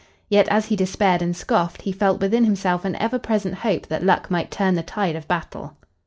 Yet, as he despaired and scoffed, he felt within himself an ever present hope that luck might turn the tide of battle.